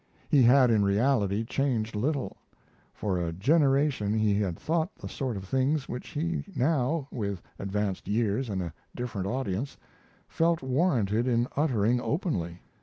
He had in reality changed little; for a generation he had thought the sort of things which he now, with advanced years and a different audience, felt warranted in uttering openly.